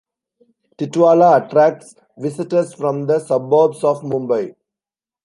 Titwala attracts visitors from the suburbs of Mumbai.